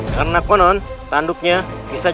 karena konon tanduknya bisa jadi pusaka